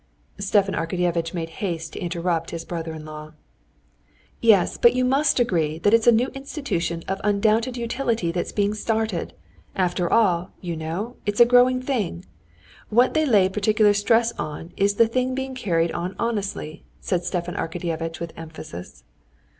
Stepan Arkadyevitch made haste to interrupt his brother in law. "Yes; but you must agree that it's a new institution of undoubted utility that's being started. After all, you know, it's a growing thing! What they lay particular stress on is the thing being carried on honestly," said Stepan Arkadyevitch with emphasis.